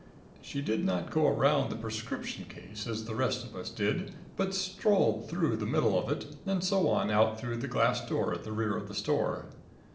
She did not go around the prescription case as the rest of us did, but strolled through the middle of it, and so on out through the glass door at the rear of the store.